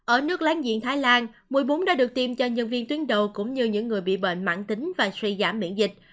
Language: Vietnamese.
ở nước láng giềng thái lan mũi bún đã được tiêm cho nhân viên tuyến đầu cũng như những người bị bệnh mạng tính và suy giảm miễn dịch